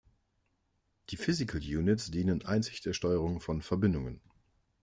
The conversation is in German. Die Physical Units dienen einzig der Steuerung von Verbindungen.